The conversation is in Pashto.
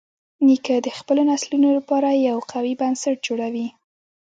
نیکه د خپلو نسلونو لپاره یو قوي بنسټ جوړوي.